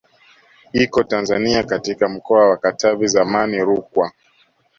Iko Tanzania katika mkoa wa Katavi zamani Rukwa